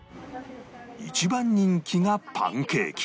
一番人気がパンケーキ